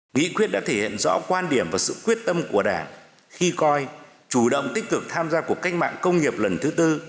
nghị quyết đã thể hiện rõ quan điểm và sự quyết tâm của đảng khi coi chủ động tích cực tham gia cuộc cách mạng công nghiệp lần thứ tư